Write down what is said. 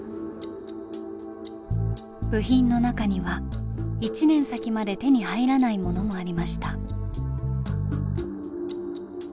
部品の中には１年先まで手に入らないものもありました。